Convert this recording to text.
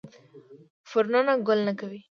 فرنونه ګل نه کوي